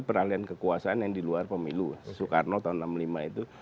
peralihan kekuasaan yang di luar pemilu soekarno tahun seribu sembilan ratus enam puluh lima itu